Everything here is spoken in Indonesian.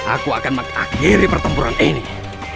aku tidak akan segan segan kendeng